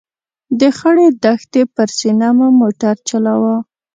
د خړې دښتې پر سینه مو موټر چلاوه.